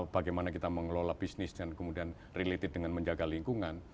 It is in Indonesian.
bagaimana kita mengelola bisnis dan kemudian related dengan menjaga lingkungan